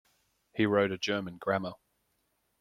He wrote a German grammar.